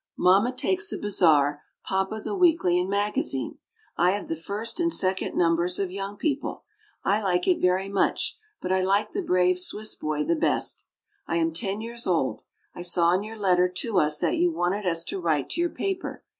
Mamma takes the Bazar, papa the Weekly and Magazine. I have the first and second numbers of Young People. I like it very much, but I like "The Brave Swiss Boy" the best. I am ten years old. I saw in your letter to us that you wanted us to write to your paper.